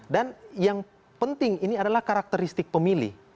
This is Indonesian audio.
dan yang penting ini adalah karakteristik pemilih